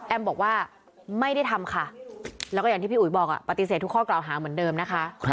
บอกว่าไม่ได้ทำค่ะแล้วก็อย่างที่พี่อุ๋ยบอกปฏิเสธทุกข้อกล่าวหาเหมือนเดิมนะคะ